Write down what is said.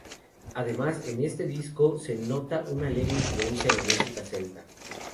Además, en este disco se nota una leve influencia en la música celta.